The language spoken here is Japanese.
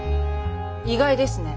意外ですね。